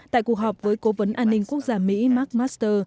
tại cuộc họp với cố vấn an ninh quốc gia mỹ mark master